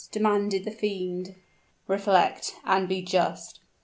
demanded the fiend. "Reflect and be just!